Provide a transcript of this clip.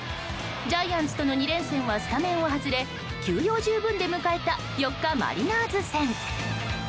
ジャイアンツとの２連戦はスタメンを外れ休養十分で迎えた４日、マリナーズ戦。